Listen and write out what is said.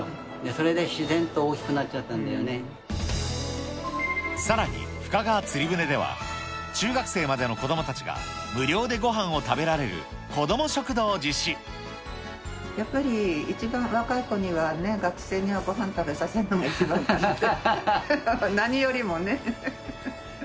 それで自然と大きくなっちゃったさらに、深川つり舟では、中学生までの子どもたちが無料でごはんを食べられる子ども食堂をやっぱり一番若い子にはね、学生にはごはん食べさせるのが一番かな、何よりもね。